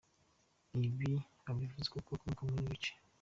" Ibi abivuze kuko akomoka muri ibi bice.